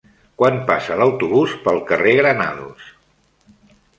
Quan passa l'autobús pel carrer Granados?